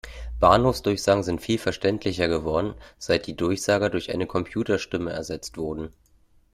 Bahnhofsdurchsagen sind viel verständlicher geworden, seit die Durchsager durch eine Computerstimme ersetzt wurden.